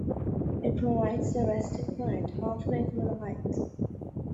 It provides a resting point halfway through the hike.